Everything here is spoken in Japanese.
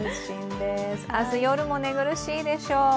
明日夜も寝苦しいでしょう。